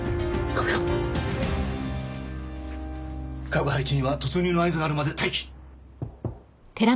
各配置員は突入の合図があるまで待機。